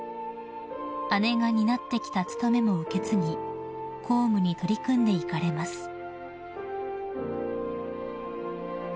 ［姉が担ってきた務めも受け継ぎ公務に取り組んでいかれます］